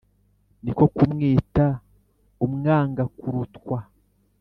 ni ko kumwita umwangakurutwa